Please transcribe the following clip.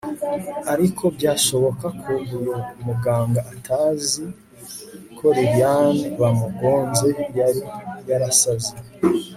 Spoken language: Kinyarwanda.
ariko byashoboka ko uyu muganga atazi ko lilian bamugonze yari yarasaze